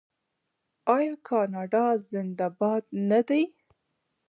آیا کاناډا زنده باد نه دی؟